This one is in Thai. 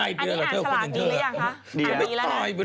อันนี้อ่านสลากดีหรือยังคะอ่านดีแล้วนะ